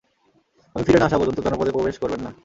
আমি ফিরে না আসা পর্যন্ত জনপদে প্রবেশ করবেন না।